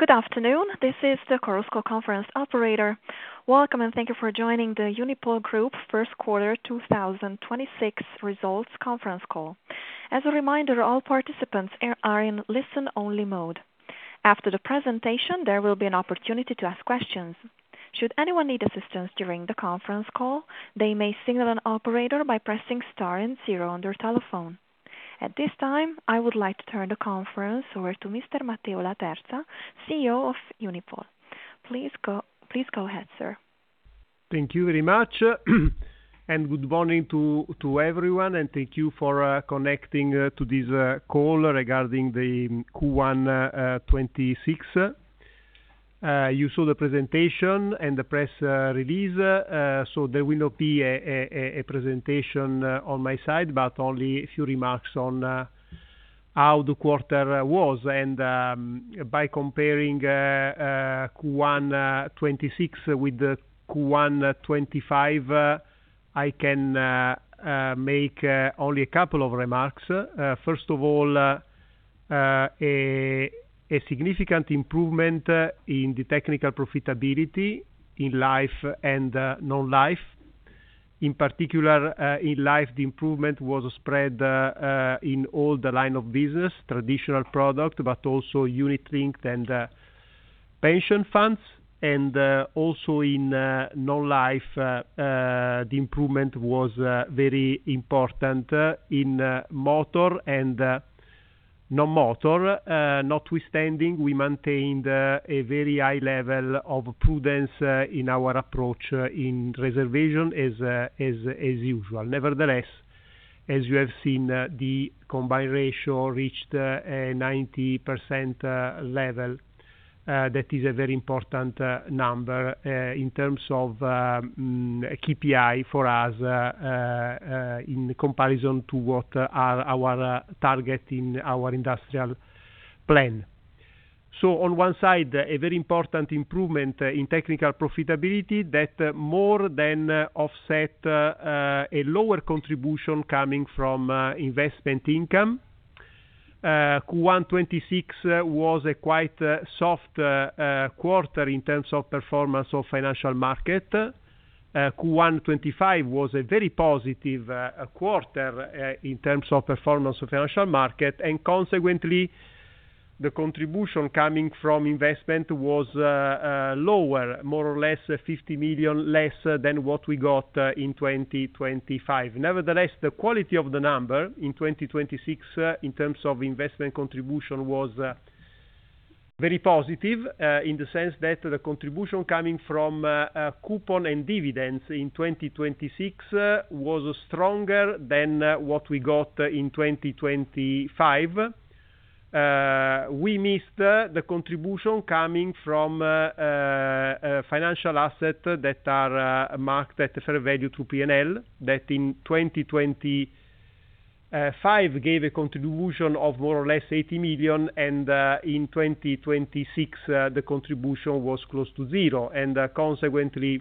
Good afternoon. This is the Chorus Call conference operator. Welcome, and thank you for joining the Unipol Group first quarter 2026 results conference call. As a reminder, all participants are in listen-only mode. After the presentation, there will be an opportunity to ask questions. Should anyone need assistance during the conference call, they may signal an operator by pressing star and zero on their telephone. At this time, I would like to turn the conference over to Mr. Matteo Laterza, CEO of Unipol. Please go ahead, sir. Thank you very much and good morning to everyone, and thank you for connecting to this call regarding the Q1 2026. You saw the presentation and the press release, so there will not be a presentation on my side, but only a few remarks on how the quarter was. By comparing Q1 2026 with the Q1 2025, I can make only a couple of remarks. First of all, a significant improvement in the technical profitability in life and non-life. In particular, in life, the improvement was spread in all the line of business, traditional product, but also unit-linked and pension funds. Also in non-life, the improvement was very important in motor and non-motor. Notwithstanding, we maintained a very high level of prudence in our approach in reservation as usual. Nevertheless, as you have seen, the combined ratio reached a 90% level. That is a very important number in terms of KPI for us in comparison to what are our target in our industrial plan. On one side, a very important improvement in technical profitability that more than offset a lower contribution coming from investment income. Q1 2026 was a quite soft quarter in terms of performance of financial market. Q1 2025 was a very positive quarter in terms of performance of financial market. Consequently, the contribution coming from investment was lower, more or less 50 million less than what we got in 2025. Nevertheless, the quality of the number in 2026 in terms of investment contribution was very positive in the sense that the contribution coming from coupon and dividends in 2026 was stronger than what we got in 2025. We missed the contribution coming from financial assets that are marked at fair value to P&L that in 2025 gave a contribution of more or less 80 million. In 2026, the contribution was close to zero. Consequently,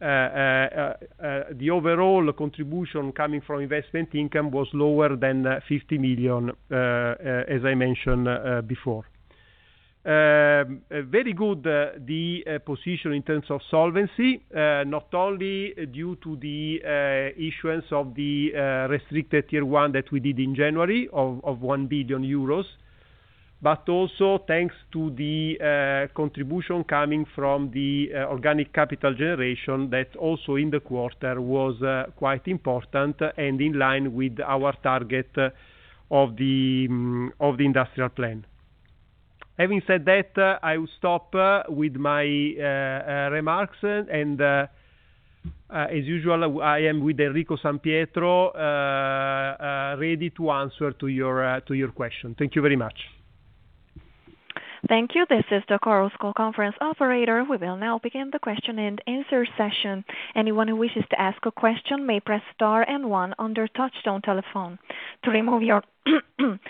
the overall contribution coming from investment income was lower than 50 million, as I mentioned before. Very good, the position in terms of solvency, not only due to the issuance of the Restricted Tier 1 that we did in January of 1 billion euros, but also thanks to the contribution coming from the organic capital generation that also in the quarter was quite important and in line with our target of the industrial plan. Having said that, I will stop with my remarks. As usual, I am with Enrico San Pietro, ready to answer to your question. Thank you very much. Thank you. This is the Chorus Call conference operator. We will now begin the question-and-answer session. Anyone who wishes to ask a question may press star and one on their touchtone telephone. To remove yourself from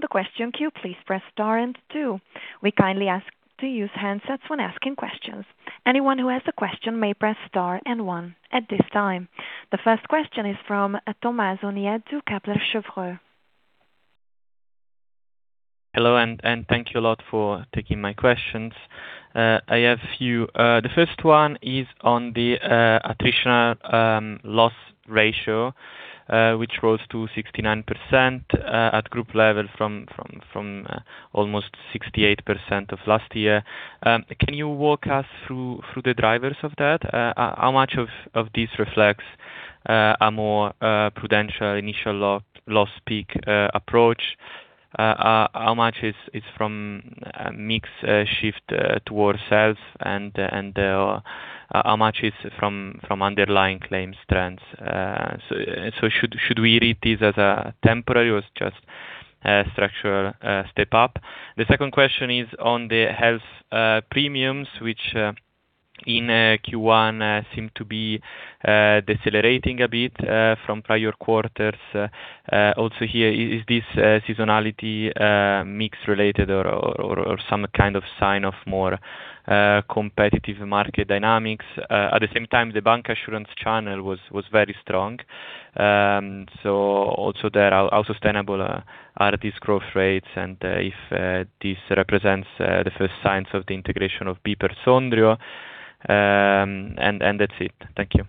the question queue, please press star and two. We kindly ask to use handsets when asking questions. Anyone who has a question may press star and one. At this time, the first question is from Tommaso Nieddu, Kepler Cheuvreux. Hello, thank you a lot for taking my questions. I have few. The first one is on the attritional loss ratio, which rose to 69% at group level from almost 68% of last year. Can you walk us through the drivers of that? How much of this reflects a more prudential initial loss peak approach? How much is from mix shift towards health and how much is from underlying claims trends? Should we read this as a temporary or just a structural step up? The second question is on the health premiums, which in Q1 seem to be decelerating a bit from prior quarters. Also here, is this seasonality mix related or some kind of sign of more competitive market dynamics? At the same time, the bancassurance channel was very strong. Also there, how sustainable are these growth rates, and if this represents the first signs of the integration of BPER Sondrio, and that's it. Thank you.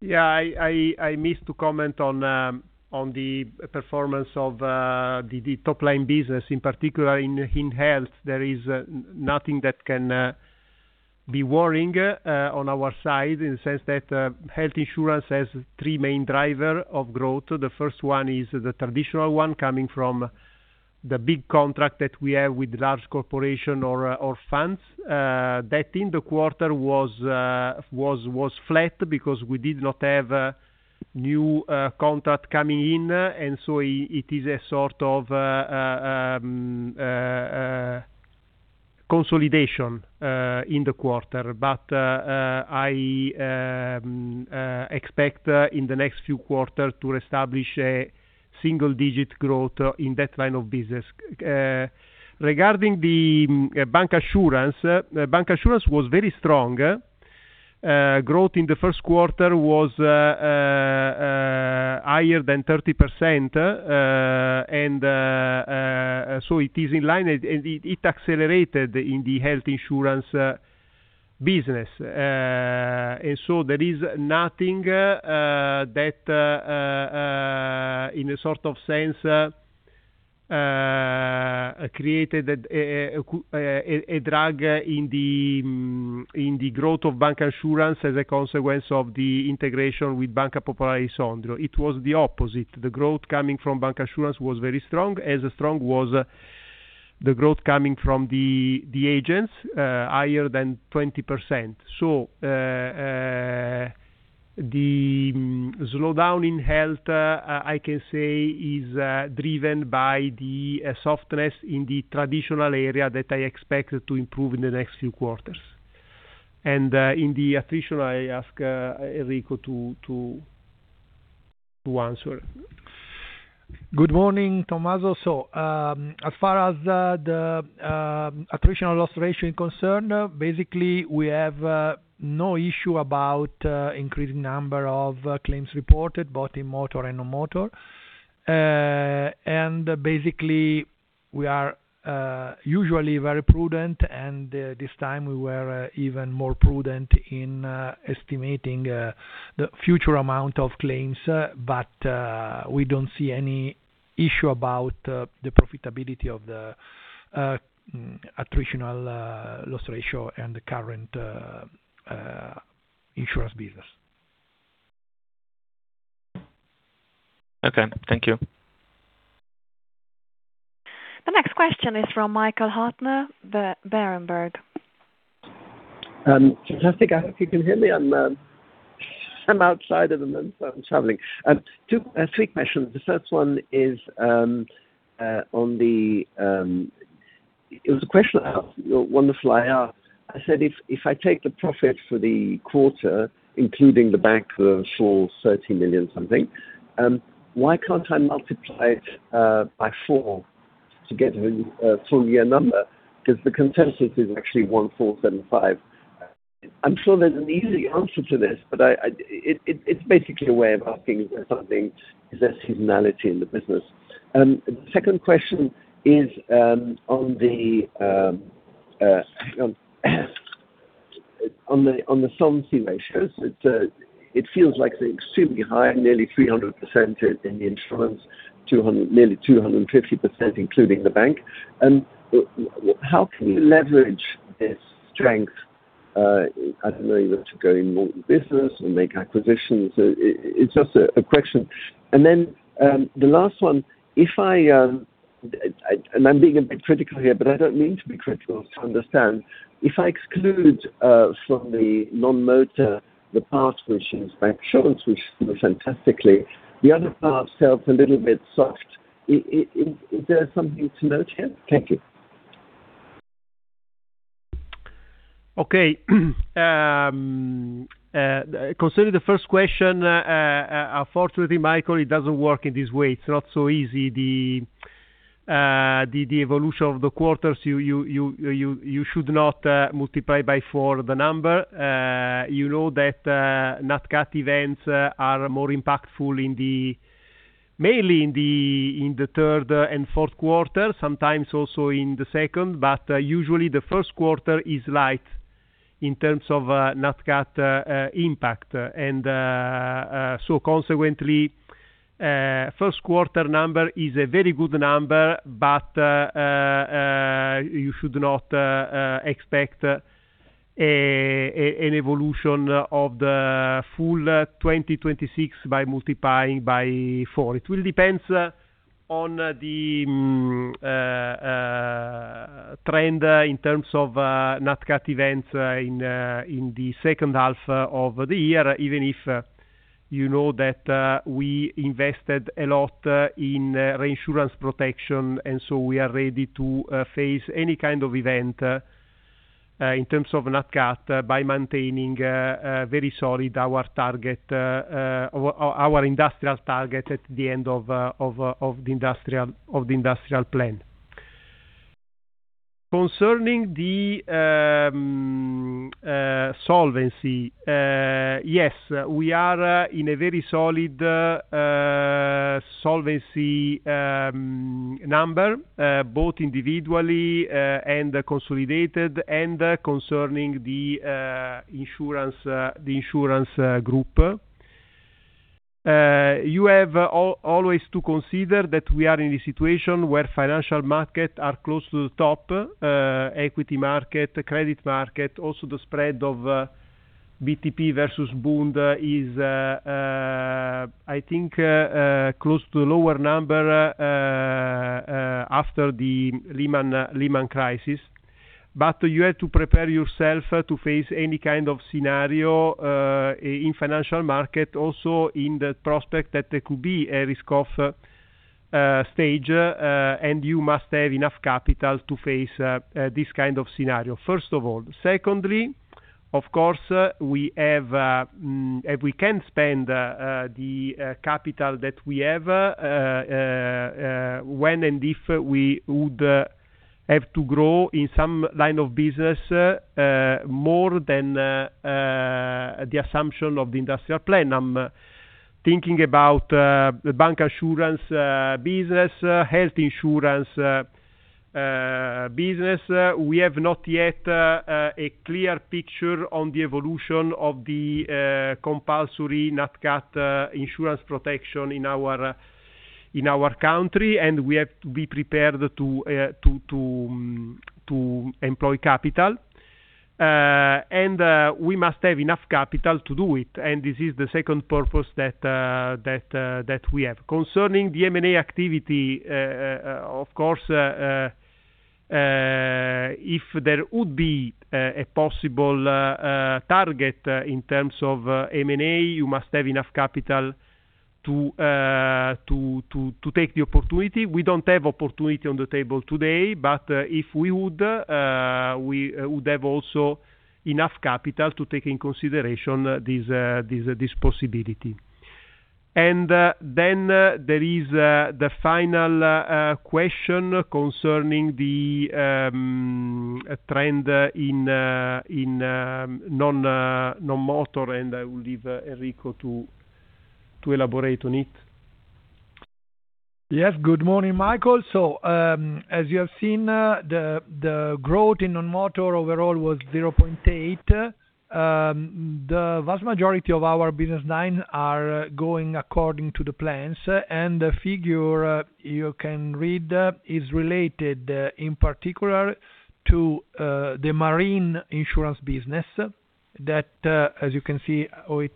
Yeah. I missed to comment on the performance of the top line business. In particular in health, there is nothing that can be worrying on our side in the sense that health insurance has three main driver of growth. The first one is the traditional one coming from the big contract that we have with large corporation or funds. That in the quarter was flat because we did not have new contract coming in, and so it is a sort of consolidation in the quarter. I expect in the next few quarter to establish a single-digit growth in that line of business. Regarding the bancassurance was very strong. Growth in the first quarter was higher than 30%. It is in line. It accelerated in the health insurance business. There is nothing that in a sort of sense created a drag in the growth of bancassurance as a consequence of the integration with Banca Popolare di Sondrio. It was the opposite. The growth coming from bancassurance was very strong, as strong was the growth coming from the agents, higher than 20%. The slowdown in health, I can say is driven by the softness in the traditional area that I expect to improve in the next few quarters. In the attritional, I ask Enrico to answer. Good morning, Tommaso. As far as the attritional loss ratio is concerned, basically, we have no issue about increasing number of claims reported, both in motor and non-motor. Basically, we are usually very prudent, and this time we were even more prudent in estimating the future amount of claims. We don't see any issue about the profitability of the attritional loss ratio and the current insurance business. Okay, thank you. The next question is from Michael Huttner, Berenberg. Fantastic. I hope you can hear me. I'm outside at the moment, so I'm traveling. Two, three questions. The first one is. It was a question I asked, wonderful I asked. I said, if I take the profit for the quarter, including the bank, saw 30 million something, why can't I multiply it by four to get a full year number? The consensus is actually 1,475. I'm sure there's an easy answer to this, but it's basically a way of asking if something is a seasonality in the business. The second question is on the solvency ratios. It feels like they're extremely high, nearly 300% in the insurance, nearly 250%, including the bank. How can you leverage this strength, I don't know, whether to grow in more business or make acquisitions? It's just a question. The last one, if I'm being a bit critical here, but I don't mean to be critical. It's to understand. If I exclude from the non-motor the part which is bank insurance, which did fantastically, the other parts felt a little bit soft. Is there something to note here? Thank you. Okay. Considering the first question, unfortunately, Michael, it doesn't work in this way. It's not so easy. The evolution of the quarters, you should not multiply by four the number. You know that NatCat events are more impactful mainly in the third and fourth quarter, sometimes also in the second, but usually the first quarter is light in terms of NatCat impact. Consequently, first quarter number is a very good number, you should not expect an evolution of the full 2026 by multiplying by four. It will depend on the trend in terms of NatCat events in the second half of the year, even if, you know that, we invested a lot in reinsurance protection. We are ready to face any kind of event in terms of NatCat by maintaining very solid our target, our industrial target at the end of the industrial plan. Concerning the solvency, yes, we are in a very solid solvency number, both individually and consolidated, and concerning the insurance, the insurance group. You have always to consider that we are in a situation where financial market are close to the top, equity market, the credit market, also the spread of BTP versus Bund is, I think, close to a lower number after the Lehman crisis. You have to prepare yourself to face any kind of scenario in financial market, also in the prospect that there could be a risk of stage, and you must have enough capital to face this kind of scenario, first of all. Secondly, of course, we have, if we can spend the capital that we have, when and if we would have to grow in some line of business more than the assumption of the industrial plan. I'm thinking about the bancassurance business, health insurance business. We have not yet a clear picture on the evolution of the compulsory NatCat insurance protection in our, in our country, and we have to be prepared to employ capital. We must have enough capital to do it, and this is the second purpose that we have. Concerning the M&A activity, of course, if there would be a possible target in terms of M&A, you must have enough capital to take the opportunity. We don't have opportunity on the table today, but if we would, we would have also enough capital to take in consideration this possibility. Then there is the final question concerning the trend in non-motor, I will leave Enrico to elaborate on it. Yes. Good morning, Michael. As you have seen, the growth in non-motor overall was 0.8. The vast majority of our business line are going according to the plans, and the figure you can read is related in particular to the marine insurance business that, as you can see with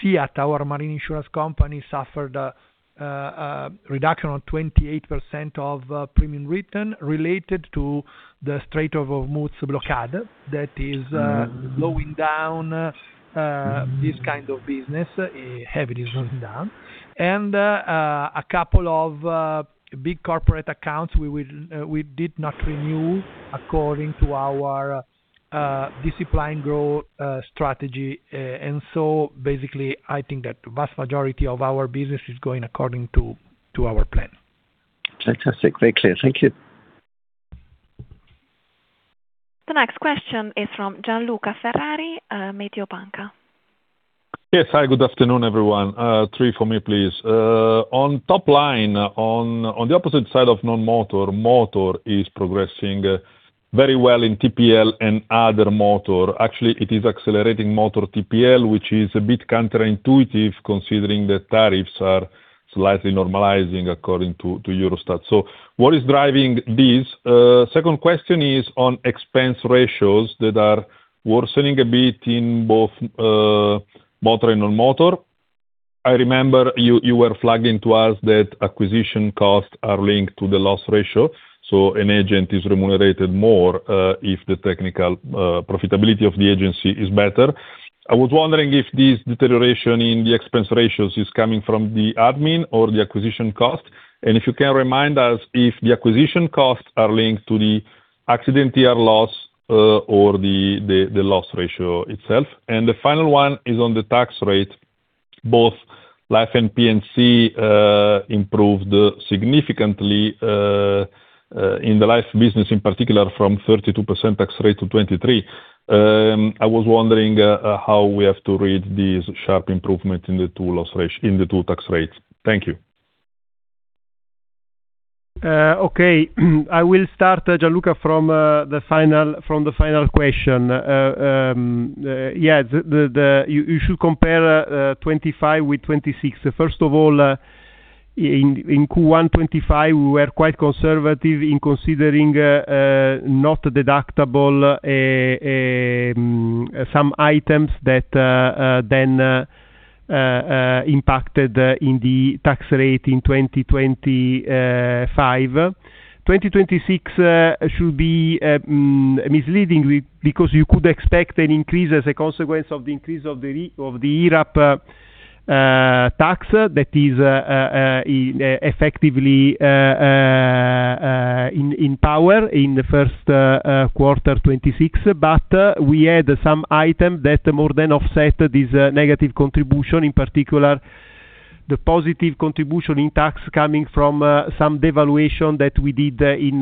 SIAT, our marine insurance company suffered a reduction of 28% of premium return related to the Hormuz Strait blockade that is slowing down this kind of business. Heavily slowing down. A couple of big corporate accounts we did not renew according to our discipline growth strategy. Basically, I think that vast majority of our business is going according to our plan. Fantastic. Very clear. Thank you. The next question is from Gianluca Ferrari, Mediobanca. Yes. Hi, good afternoon, everyone. Three for me, please. On top line, on the opposite side of non-motor, motor is progressing very well in TPL and other motor. Actually, it is accelerating motor TPL, which is a bit counterintuitive considering the tariffs are slightly normalizing according to Eurostat. What is driving this? Second question is on expense ratios that are worsening a bit in both motor and non-motor. I remember you were flagging to us that acquisition costs are linked to the loss ratio, so an agent is remunerated more if the technical profitability of the agency is better. I was wondering if this deterioration in the expense ratios is coming from the admin or the acquisition cost, and if you can remind us if the acquisition costs are linked to the accident year loss or the loss ratio itself? The final one is on the tax rate. Both Life and P&C improved significantly in the Life business, in particular from 32% tax rate to 23%. I was wondering how we have to read this sharp improvement in the two tax rates. Thank you. Okay. I will start, Gianluca, from the final question. Yes, you should compare 2025 with 2026. First of all, in Q1 2025, we were quite conservative in considering not deductible some items that then impacted in the tax rate in 2025. 2026 should be misleadingly because you could expect an increase as a consequence of the increase of the IRAP tax that is effectively in power in the first quarter 2026. We had some items that more than offset this negative contribution, in particular the positive contribution in tax coming from some devaluation that we did in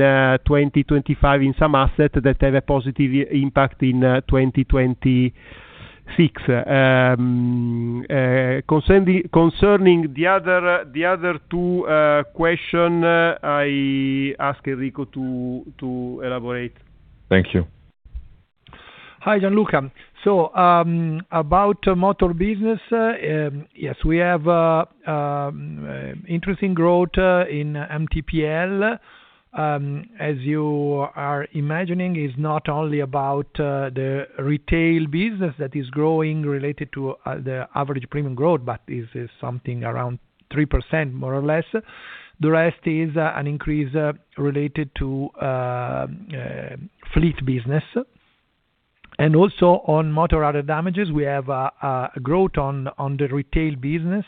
2025 in some assets that have a positive impact in 2026. Concerning the other two question, I ask Enrico to elaborate. Thank you. Hi, Gianluca. About motor business, yes, we have interesting growth in MTPL. As you are imagining, it's not only about the retail business that is growing related to the average premium growth, but this is something around 3% more or less. The rest is an increase related to fleet business. Also on motor other damages, we have growth on the retail business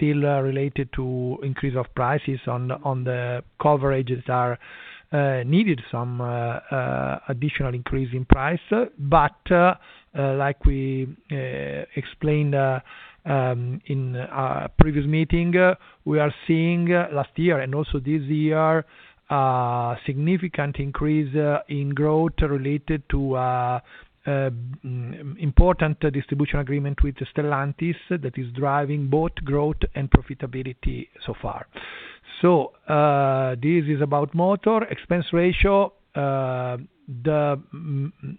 still related to increase of prices on the coverages are needed some additional increase in price. Like we explained in our previous meeting, we are seeing last year and also this year significant increase in growth related to important distribution agreement with Stellantis that is driving both growth and profitability so far. This is about motor expense ratio. The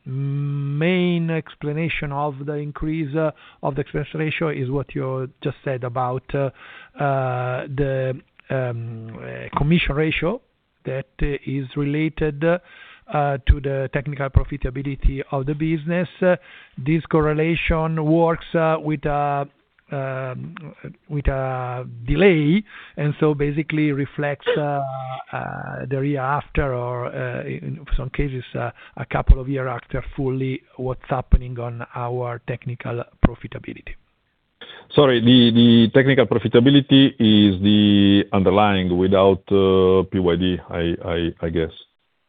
main explanation of the increase of the expense ratio is what you just said about the commission ratio that is related to the technical profitability of the business. This correlation works with a with a delay, and so basically reflects the year after or in some cases a couple of year after fully what's happening on our technical profitability. Sorry. The technical profitability is the underlying without PYD, I guess.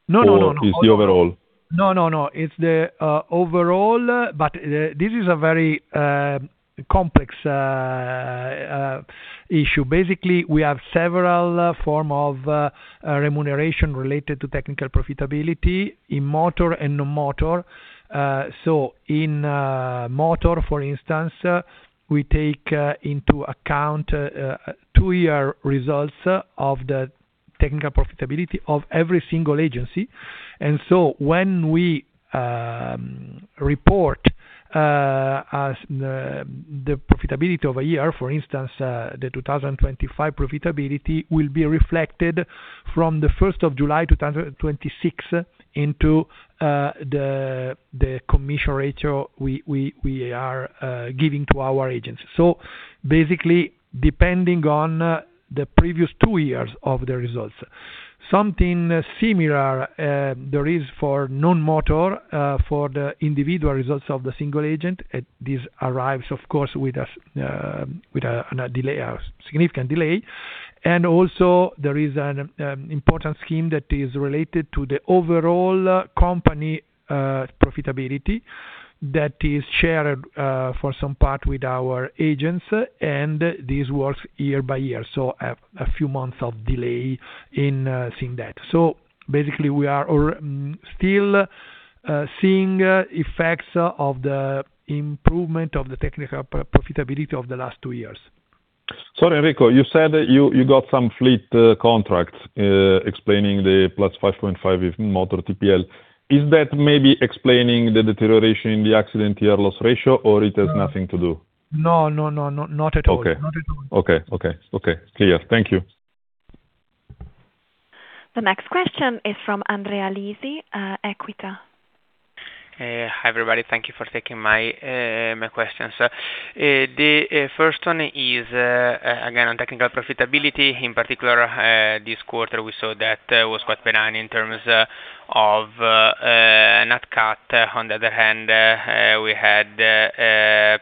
No, no, no. Is the overall? No, no. It's the overall. This is a very complex issue. Basically, we have several form of remuneration related to technical profitability in motor and non-motor. In motor, for instance, we take into account two-year results of the technical profitability of every single agency. When we report as the profitability of a year, for instance, the 2025 profitability will be reflected from July 1st, 2026 into the commission ratio we are giving to our agents. Basically, depending on the previous two years of the results. Something similar there is for non-motor for the individual results of the single agent. This arrives, of course, with a delay, a significant delay. Also there is an important scheme that is related to the overall company profitability that is shared for some part with our agents, and this works year by year. A few months of delay in seeing that. Basically, we are or still seeing effects of the improvement of the technical profitability of the last two years. Sorry, Enrico, you said that you got some fleet contracts explaining the +5.5 with motor TPL. Is that maybe explaining the deterioration in the accident year loss ratio, or it has nothing to do? No, no, no. Not at all. Okay. Not at all. Okay. Okay. Okay. Clear. Thank you. The next question is from Andrea Lisi, Equita. Hi, everybody. Thank you for taking my questions. The first one is again on technical profitability. In particular, this quarter, we saw that it was quite benign in terms of NatCat. On the other hand, we had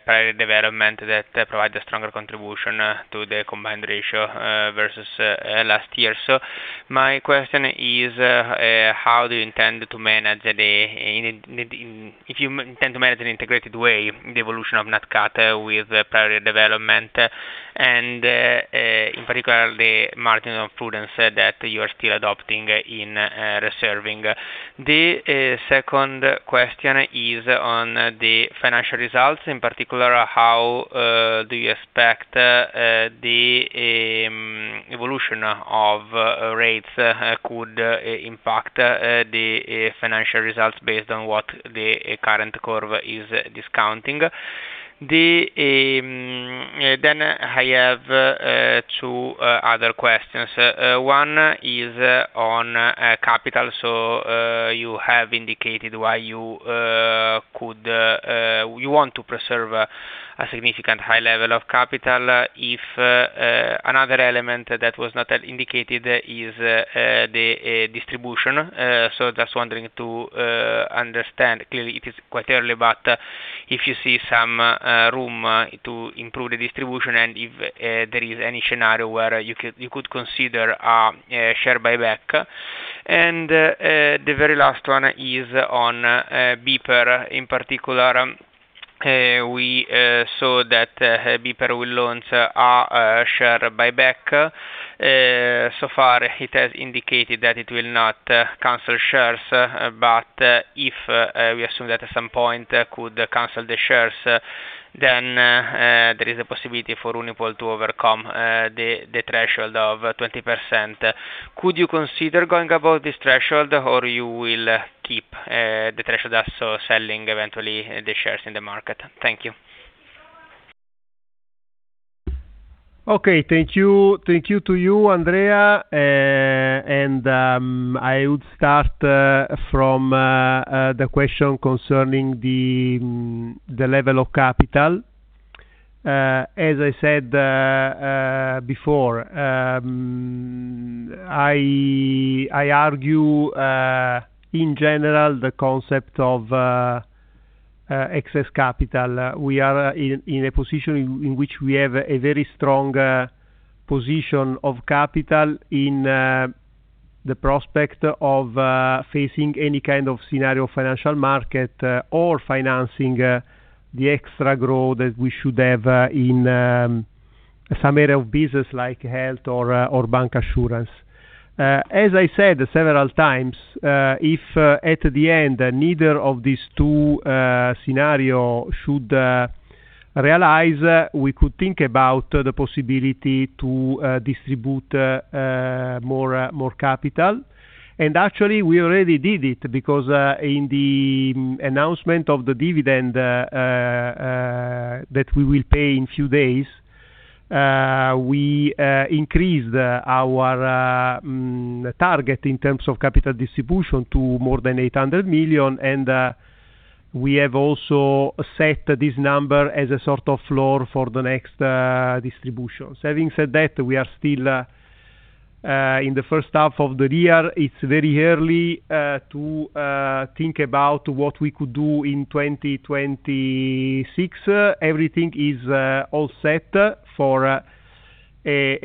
prior year development that provide a stronger contribution to the combined ratio versus last year. My question is how do you intend to manage an integrated way, the evolution of NatCat with prior year development and, in particular, the margin of prudence that you are still adopting in reserving. The second question is on the financial results. In particular, how do you expect the evolution of rates could impact the financial results based on what the current curve is discounting? I have two other questions. One is on capital. You have indicated why you want to preserve a significant high level of capital. If another element that was not indicated is the distribution. Just wondering to understand. Clearly, it is quite early, but if you see some room to improve the distribution and if there is any scenario where you could consider share buyback. The very last one is on BPER. In particular, we saw that BPER will launch a share buyback. So far it has indicated that it will not cancel shares. If we assume that at some point could cancel the shares, there is a possibility for Unipol to overcome the threshold of 20%. Could you consider going above this threshold, or you will keep the threshold as selling eventually the shares in the market? Thank you. Okay. Thank you. Thank you to you, Andrea. I would start from the question concerning the level of capital. As I said before, I argue in general the concept of excess capital. We are in a position in which we have a very strong position of capital in the prospect of facing any kind of scenario financial market or financing the extra growth that we should have in some area of business like health or bancassurance. As I said several times, if at the end neither of these two scenario should realize, we could think about the possibility to distribute more capital. Actually, we already did it because, in the announcement of the dividend that we will pay in few days, we increased our target in terms of capital distribution to more than 800 million, and we have also set this number as a sort of floor for the next distributions. Having said that, we are still in the first half of the year. It's very early to think about what we could do in 2026. Everything is all set for a good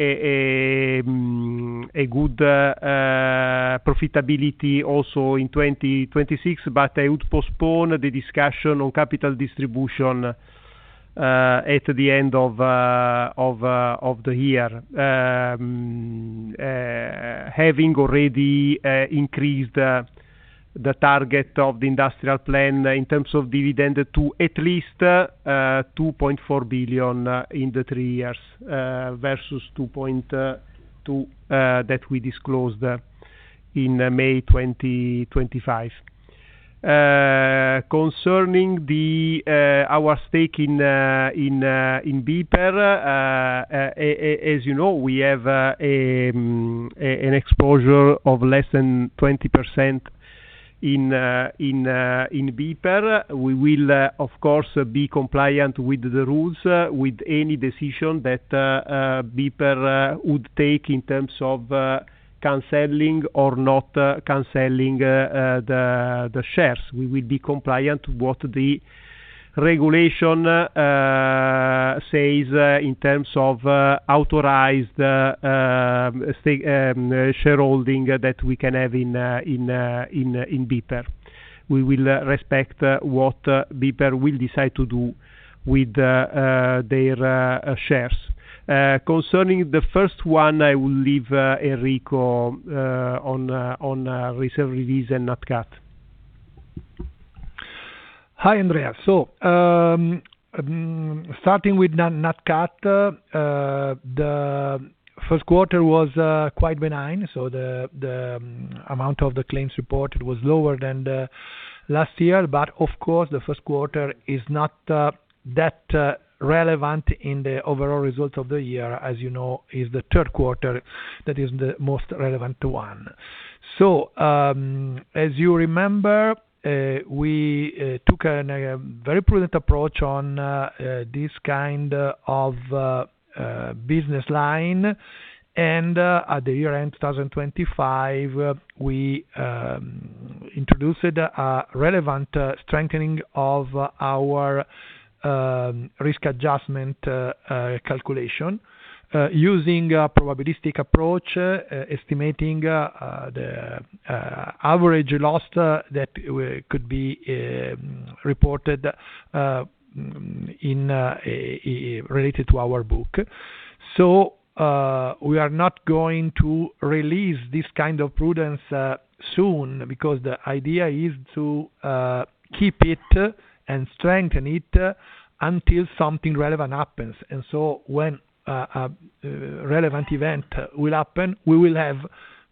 profitability also in 2026, but I would postpone the discussion on capital distribution at the end of the year. Having already increased the target of the industrial plan in terms of dividend to at least 2.4 billion in the three years versus 2.2 that we disclosed in May 2025. Concerning the our stake in BPER, as you know, we have an exposure of less than 20% in BPER. We will, of course, be compliant with the rules, with any decision that BPER would take in terms of canceling or not canceling the shares. We will be compliant what the regulation says in terms of authorized shareholding that we can have in BPER. We will respect what BPER will decide to do with their shares. Concerning the first one, I will leave Enrico on reserve release and NatCat. Hi, Andrea. Starting with NatCat, the first quarter was quite benign. The amount of the claims reported was lower than the last year. Of course, the first quarter is not that relevant in the overall results of the year. As you know, it's the third quarter that is the most relevant one. As you remember, we took a very prudent approach on this kind of business line. At the year-end 2025, we introduced a relevant strengthening of our risk adjustment calculation using a probabilistic approach estimating the average loss that could be reported in related to our book. We are not going to release this kind of prudence soon because the idea is to keep it and strengthen it until something relevant happens. When a relevant event will happen, we will have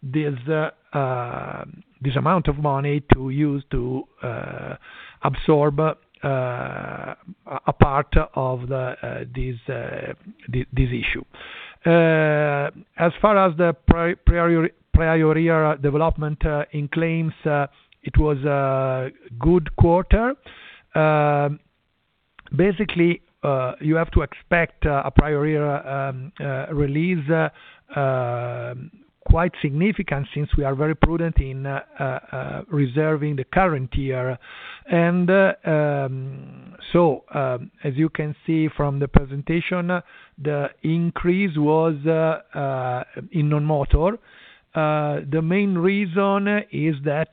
this amount of money to use to absorb a part of this issue. As far as the prior year development in claims, it was a good quarter. Basically, you have to expect a prior year release quite significant since we are very prudent in reserving the current year. As you can see from the presentation, the increase was in non-motor. The main reason is that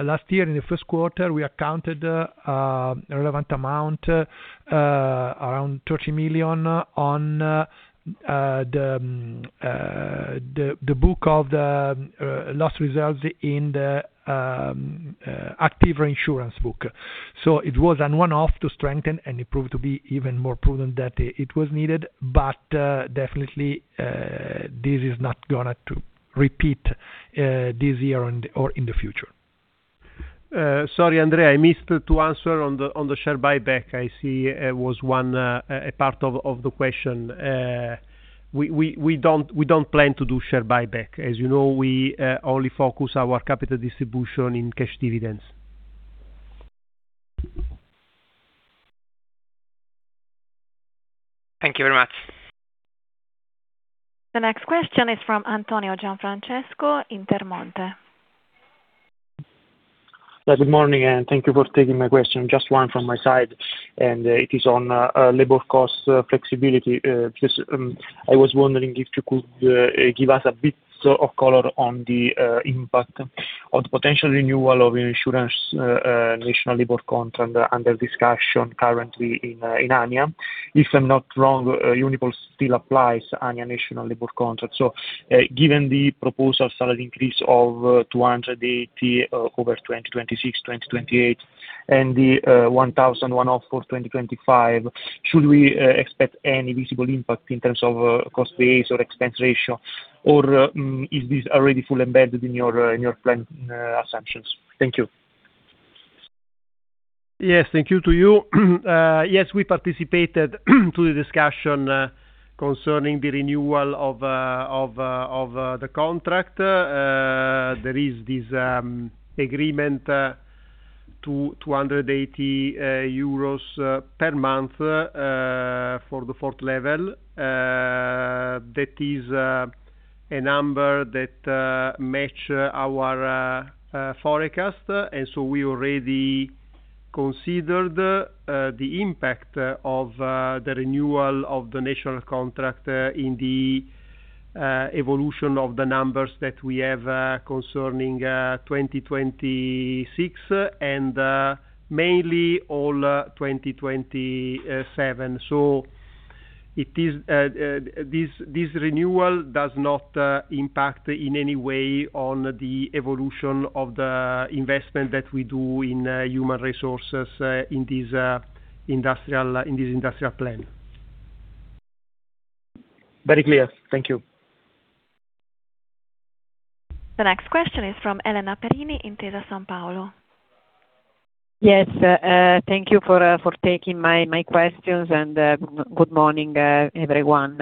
last year in the first quarter, we accounted relevant amount around EUR 30 million on the book of the loss reserves in the active reinsurance book. It was one-off to strengthen, and it proved to be even more prudent that it was needed. Definitely, this is not gonna to repeat this year and or in the future. Sorry, Andrea, I missed to answer on the share buyback. I see it was one a part of the question. We don't plan to do share buyback. As you know, we only focus our capital distribution in cash dividends. Thank you very much. The next question is from Antonio Gianfrancesco, Intermonte. Yeah, good morning, and thank you for taking my question. Just one from my side, and it is on labor cost flexibility. Just, I was wondering if you could give us a bit of color on the impact of potential renewal of insurance national labor contract under discussion currently in ANIA. If I'm not wrong, Unipol still applies ANIA national labor contract. Given the proposal salary increase of 280 over 2026, 2028 and the 1,000 one-off for 2025, should we expect any visible impact in terms of cost base or expense ratio? Or, is this already fully embedded in your plan assumptions? Thank you. Yes. Thank you to you. Yes, we participated to the discussion concerning the renewal of the contract. There is this agreement, 280 euros per month, for the fourth level. That is a number that match our forecast. We already considered the impact of the renewal of the national contract in the evolution of the numbers that we have concerning 2026 and mainly all 2027. It is this renewal does not impact in any way on the evolution of the investment that we do in human resources in this industrial plan. Very clear. Thank you. The next question is from Elena Perini, Intesa Sanpaolo. Yes. Thank you for taking my questions, and good morning everyone.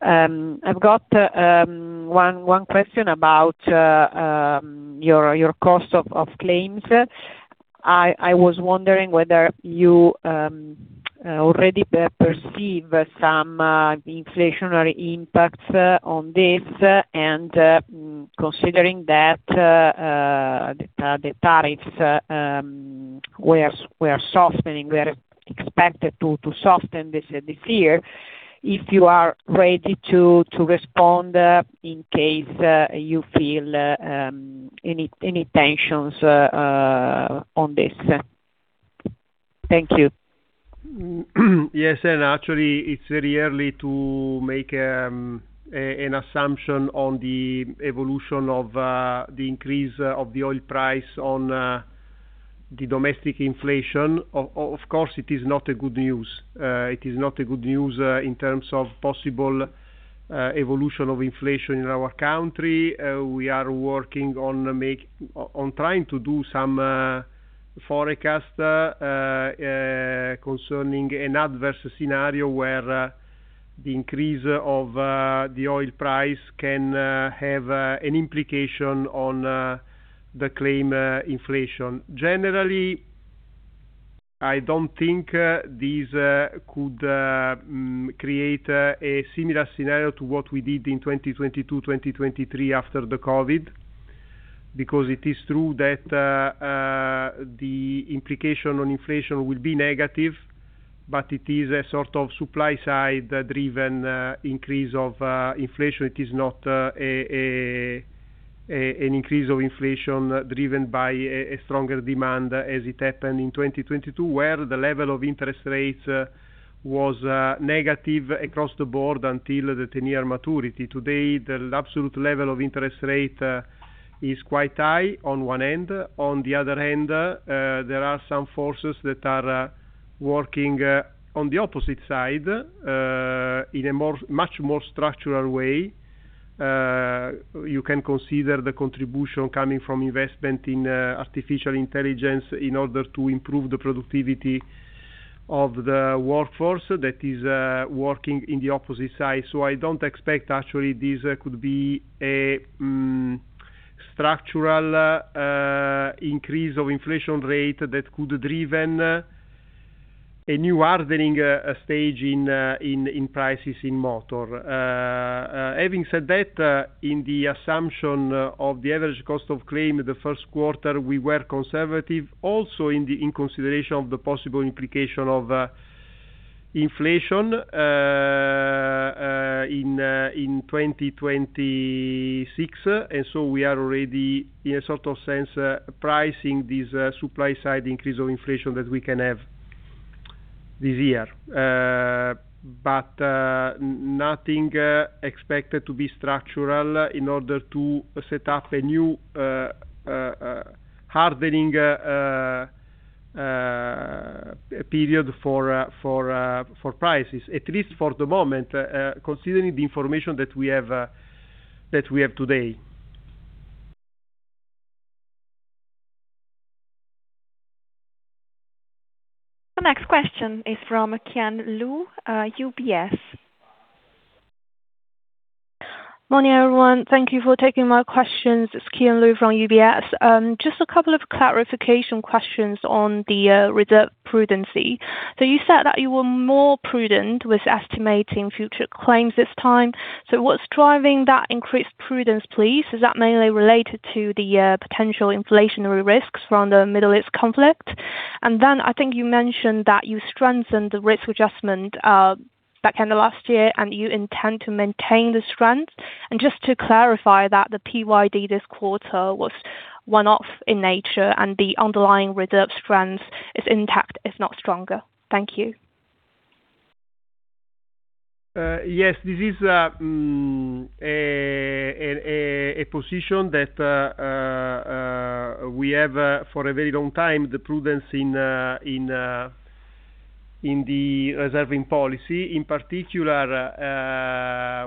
I've got one question about your cost of claims. I was wondering whether you already perceive some inflationary impacts on this. Considering that the tariffs were softening, were expected to soften this year, if you are ready to respond in case you feel any tensions on this. Thank you. Yes, Elena. Actually, it's very early to make an assumption on the evolution of the increase of the oil price on the domestic inflation. Of course, it is not a good news. It is not a good news in terms of possible evolution of inflation in our country. We are working on trying to do some forecast concerning an adverse scenario where the increase of the oil price can have an implication on the claim inflation. Generally, I don't think this could create a similar scenario to what we did in 2022, 2023 after the COVID, because it is true that the implication on inflation will be negative, but it is a sort of supply side driven increase of inflation. It is not an increase of inflation driven by a stronger demand as it happened in 2022, where the level of interest rates was negative across the board until the 10-year maturity. Today, the absolute level of interest rate is quite high on one end. On the other end, there are some forces that are working on the opposite side in a more, much more structural way. You can consider the contribution coming from investment in artificial intelligence in order to improve the productivity of the workforce that is working in the opposite side. I don't expect actually this could be a structural increase of inflation rate that could driven a new hardening stage in prices in motor. Having said that, in the assumption of the average cost of claim, the first quarter we were conservative also in the in consideration of the possible implication of inflation in 2026. We are already, in a sort of sense, pricing this supply side increase of inflation that we can have this year. Nothing expected to be structural in order to set up a new hardening period for prices, at least for the moment, considering the information that we have that we have today. The next question is from Qian Lu, UBS. Morning, everyone. Thank you for taking my questions. It is Qian Lu from UBS. Just a couple of clarification questions on the reserve prudency. You said that you were more prudent with estimating future claims this time. What is driving that increased prudence, please? Is that mainly related to the potential inflationary risks from the Middle East conflict? I think you mentioned that you strengthened the risk adjustment back end of last year, and you intend to maintain the strength. Just to clarify that the PYD this quarter was one-off in nature and the underlying reserve strength is intact, if not stronger. Thank you. Yes. This is a position that we have for a very long time, the prudence in the reserving policy. In particular,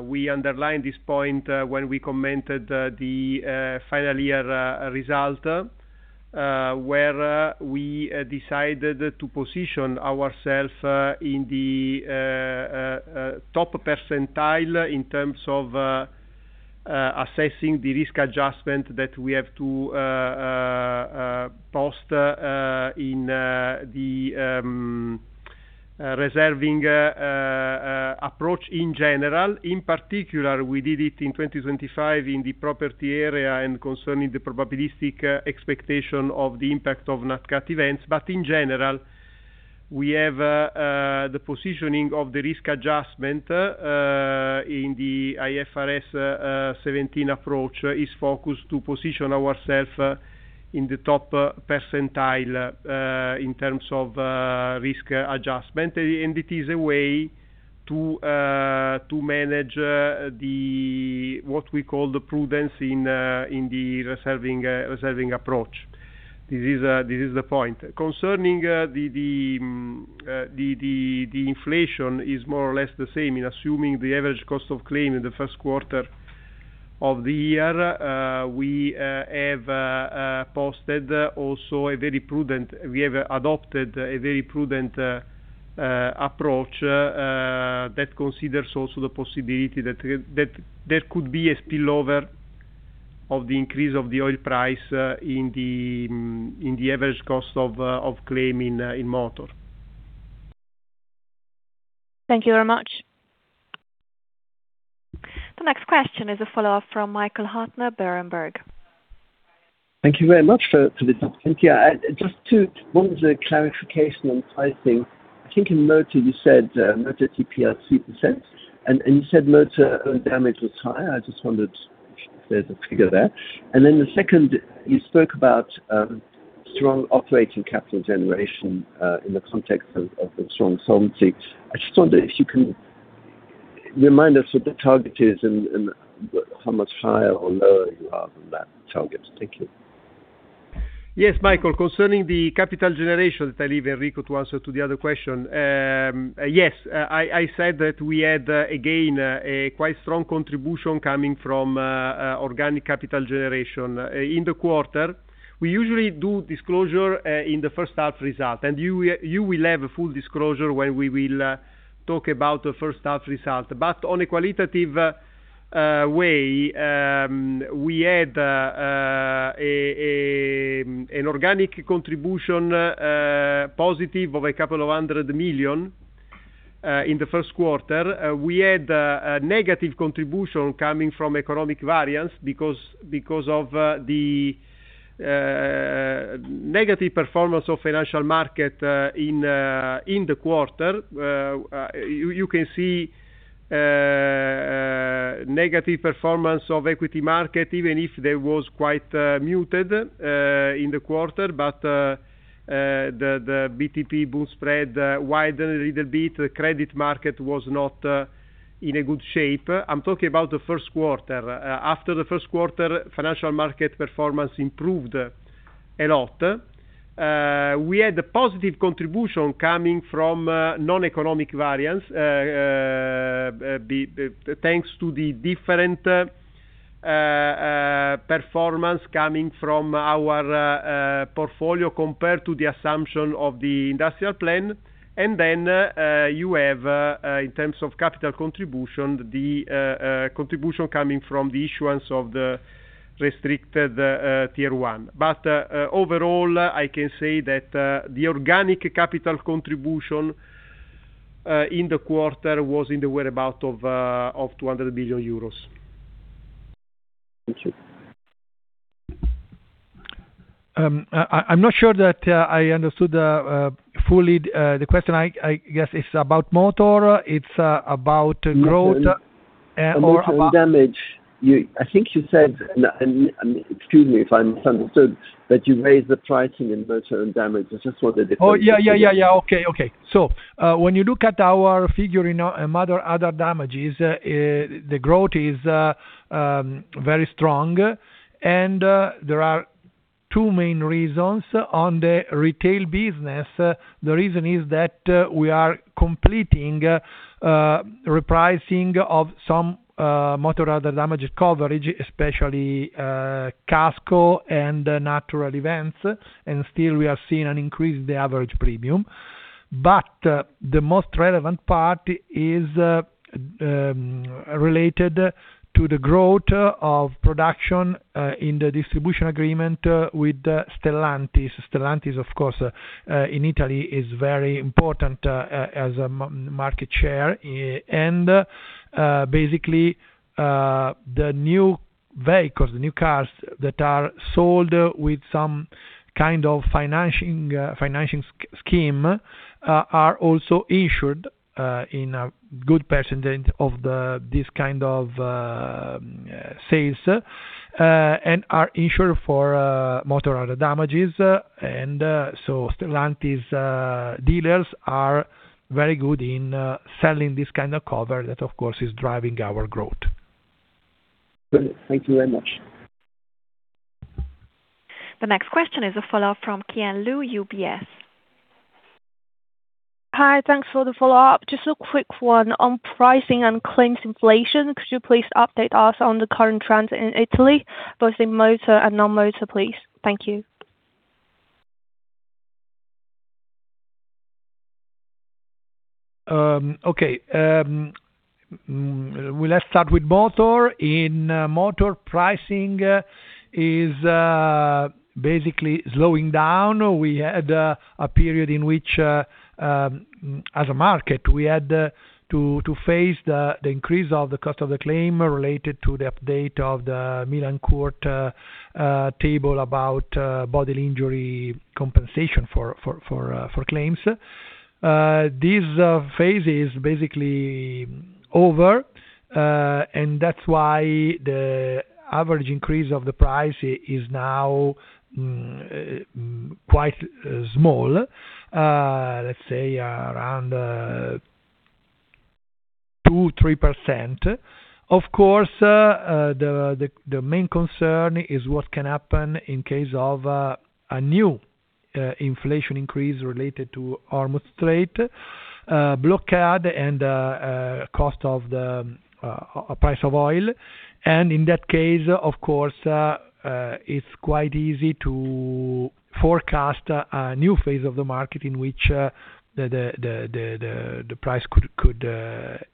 we underline this point when we commented the final year result, where we decided to position ourself in the top percentile in terms of assessing the risk adjustment that we have to post in the reserving approach in general. In particular, we did it in 2025 in the property area and concerning the probabilistic expectation of the impact of NatCat events. In general, we have the positioning of the risk adjustment in the IFRS 17 approach is focused to position ourself in the top percentile in terms of risk adjustment. It is a way to manage the, what we call the prudence in the reserving approach. This is the point. Concerning the inflation is more or less the same in assuming the average cost of claim in the first quarter of the year. We have adopted a very prudent approach that considers also the possibility that there could be a spillover of the increase of the oil price in the average cost of claim in motor. Thank you very much. The next question is a follow-up from Michael Huttner, Berenberg. Thank you very much for the opportunity. Just two. One is a clarification on pricing. I think in motor you said motor TPL 2%, and you said Motor Own Damage was higher. I just wondered if there's a figure there. Then the second, you spoke about strong operating capital generation in the context of the strong solvency. I just wonder if you can remind us what the target is and how much higher or lower you are than that target. Thank you. Yes, Michael. Concerning the capital generation that I leave Enrico to answer to the other question. Yes, I said that we had, again, a quite strong contribution coming from organic capital generation. In the quarter, we usually do disclosure in the first half result, and you will have a full disclosure when we will talk about the first half result. On a qualitative way, we had an organic contribution positive of a couple of hundred million in the first quarter. We had a negative contribution coming from economic variance because of the negative performance of financial market in the quarter. You can see negative performance of equity market, even if there was quite muted in the quarter, but the BTP Bund spread widened a little bit. The credit market was not in a good shape. I'm talking about the first quarter. After the first quarter, financial market performance improved a lot. We had a positive contribution coming from non-economic variance, thanks to the different performance coming from our portfolio compared to the assumption of the industrial plan. Then, you have in terms of capital contribution, the contribution coming from the issuance of the Restricted Tier 1. Overall, I can say that the organic capital contribution in the quarter was in the whereabouts of 200 million euros. Thank you. I'm not sure that I understood fully the question? I guess it's about motor, it's about growth. No. Or about- Motor Own Damage. I think you said, and excuse me if I misunderstood, that you raised the pricing in motor and damage. I just wondered if. Yeah, yeah, yeah. Okay, okay. When you look at our figure in motor, other damages, the growth is very strong. There are two main reasons on the retail business. The reason is that we are completing repricing of some motor other damages coverage, especially kasko and natural events, and still we are seeing an increase the average premium. The most relevant part is related to the growth of production in the distribution agreement with Stellantis. Stellantis, of course, in Italy is very important as a market share. Basically, the new vehicles, the new cars that are sold with some kind of financing scheme, are also insured in a good percentage of this kind of sales, and are insured for motor other damages. Stellantis dealers are very good in selling this kind of cover that of course is driving our growth. Great. Thank you very much. The next question is a follow-up from Qian Lu, UBS. Hi. Thanks for the follow-up. Just a quick one on pricing and claims inflation. Could you please update us on the current trends in Italy, both in motor and non-motor, please? Thank you. Let's start with motor. In motor pricing is basically slowing down. We had a period in which as a market we had to face the increase of the cost of the claim related to the update of the Milan court table about bodily injury compensation for claims. This phase is basically over, and that's why the average increase of the price is now quite small, let's say around 2%-3%. Of course, the main concern is what can happen in case of a new inflation increase related to Hormuz Strait blockade and cost of the price of oil. In that case, of course, it's quite easy to forecast a new phase of the market in which the price could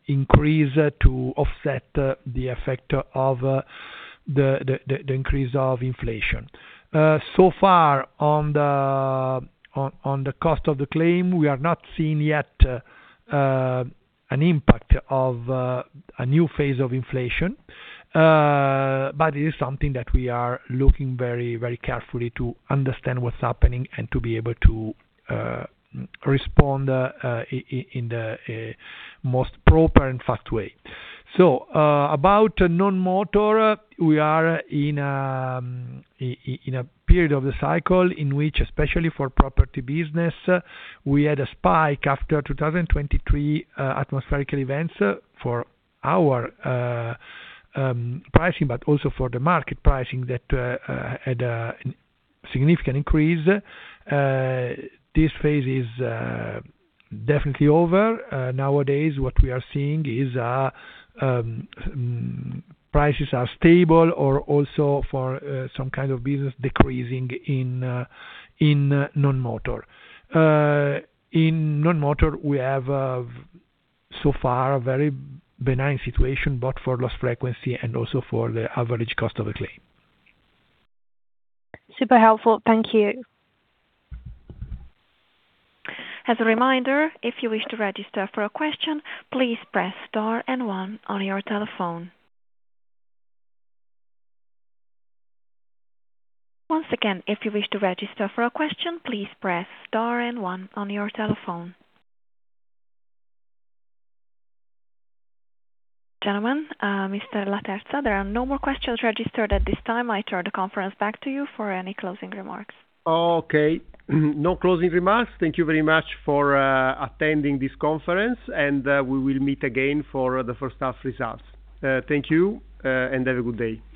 increase to offset the effect of the increase of inflation. So far on the cost of the claim, we are not seeing yet an impact of a new phase of inflation. But it is something that we are looking very, very carefully to understand what's happening and to be able to respond in the most proper and fast way. About non-motor, we are in a period of the cycle in which, especially for property business, we had a spike after 2023 atmospheric events for our pricing, but also for the market pricing that had a significant increase. This phase is definitely over. Nowadays, what we are seeing is prices are stable or also for some kind of business decreasing in non-motor. In non-motor, we have so far a very benign situation, both for loss frequency and also for the average cost of a claim. Super helpful. Thank you. As a reminder, if you wish to register for a question, please press star and one on your telephone. Once again, if you wish to register for a question, please press star and one on your telephone. Gentlemen, Mr. Laterza, there are no more questions registered at this time. I turn the conference back to you for any closing remarks. Okay. No closing remarks. Thank you very much for attending this conference, and we will meet again for the first half results. Thank you, and have a good day.